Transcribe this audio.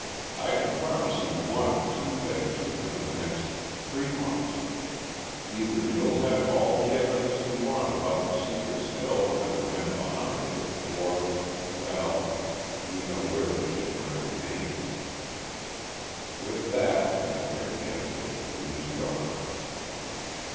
I can promise you one of two things within the next three months: either you'll have all the evidence you want about the secret still and the men behind it or well, you know where to ship my remains!" With that and a quick handshake he was gone.